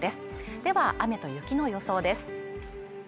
では雨と雪の予想です